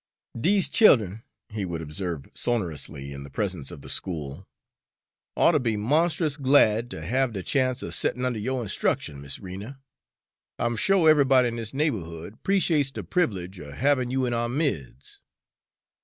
"Dese child'en," he would observe sonorously, in the presence of the school, "oughter be monst'ous glad ter have de chance er settin' under yo' instruction, Miss Rena. I'm sho' eve'body in dis neighbo'hood 'preciates de priv'lege er havin' you in ou' mids'."